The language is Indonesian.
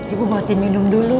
ibu bawa minum dulu